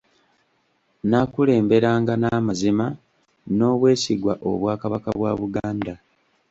Naakulemberanga n’amazima, n’obwesigwa Obwakabaka bwa Buganda.